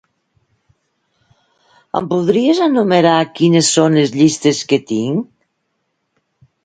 Em podries enumerar quines són les llistes que tinc?